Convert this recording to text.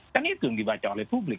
kan itu yang dibaca oleh publik